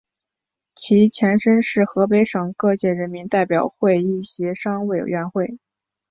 其前身是河北省各界人民代表会议协商委员会。